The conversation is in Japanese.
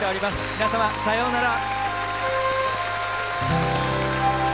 皆様さようなら。